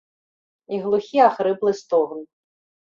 І глухі ахрыплы стогн.